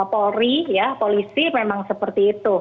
polri ya polisi memang seperti itu